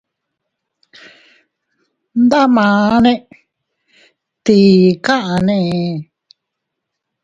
Ndamane ¿tii kaʼane?